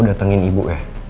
sadar dengan ibu